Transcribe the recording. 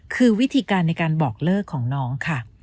คือวิธีการในการบอกเลิกของน้องค่ะ